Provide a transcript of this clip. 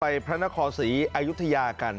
พระนครศรีอายุทยากัน